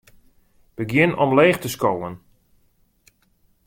Begjin omleech te skowen.